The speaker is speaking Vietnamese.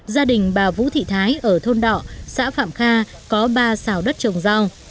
gia đình bà vũ thị thái ở thôn đọ xã phạm kha có ba xào đất trồng rau